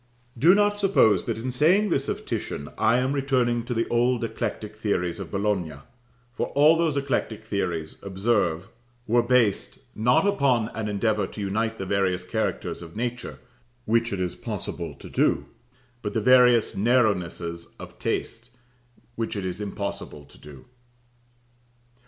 Do not suppose that in saying this of Titian, I am returning to the old eclectic theories of Bologna; for all those eclectic theories, observe, were based, not upon an endeavour to unite the various characters of nature (which it is possible to do), but the various narrownesses of taste, which it is impossible to do.